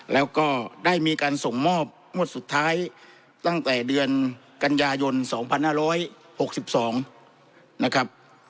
แล้วก็ได้มีการส่งมอบงวดสุดท้ายตั้งแต่เดือนกันยายน๒๕๖๒นะครับ